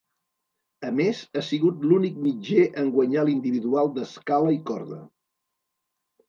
A més, ha sigut l'únic mitger en guanyar l'Individual d'Escala i corda.